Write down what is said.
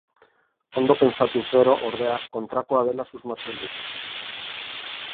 Ondo pentsatuz gero, ordea, kontrakoa dela susmatzen dugu.